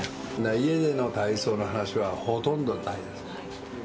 家での体操の話はほとんどないです。